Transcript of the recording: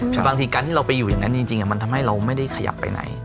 คือบางทีการที่เราไปอยู่อย่างนั้นจริงมันทำให้เราไม่ได้ขยับไปไหน